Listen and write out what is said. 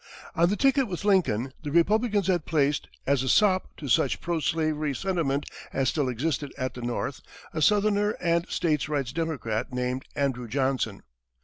On the ticket with Lincoln, the Republicans had placed, as a sop to such pro slavery sentiment as still existed at the North, a southerner and state rights Democrat named Andrew Johnson.